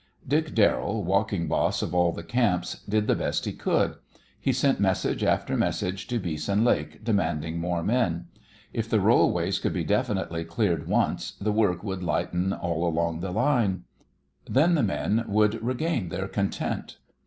Dick Darrell, walking boss of all the camps, did the best he could. He sent message after message to Beeson Lake demanding more men. If the rollways could be definitely cleared once, the work would lighten all along the line. Then the men would regain their content.